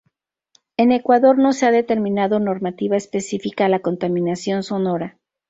En Ecuador no se ha determinado normativa específica a la contaminación sonora.